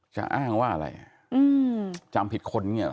จะอ้างว่าอะไรจำผิดคนไง